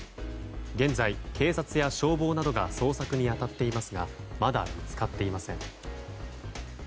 現在、警察や消防などが捜索に当たっていますがまだ見つかっていません。